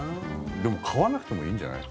でも買わなくてもいいんじゃない？